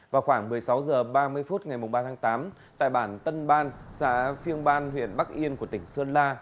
vào khoảng một mươi sáu h ba mươi phút ngày ba tháng tám tại bản tân ban xã phiêng ban huyện bắc yên của tỉnh sơn la